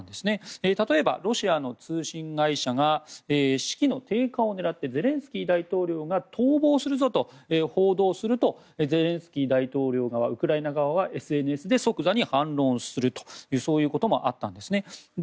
例えばロシアの通信会社が士気の低下を狙ってゼレンスキー大統領が逃亡するぞと報道するとゼレンスキー大統領側ウクライナ側は、ＳＮＳで即座に反論するということもあったんですね。